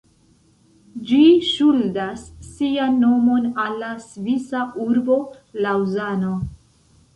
Ĝi ŝuldas sian nomon al la svisa urbo Laŭzano.